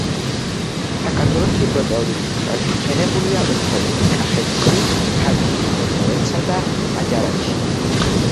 საქართველოში ბროწეული გაშენებულია უმთავრესად კახეთში, ქართლში, იმერეთსა და აჭარაში.